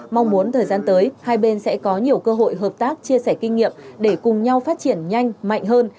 mong muốn thời gian tới hai bên sẽ có nhiều cơ hội hợp tác chia sẻ kinh nghiệm để cùng nhau phát triển nhanh mạnh hơn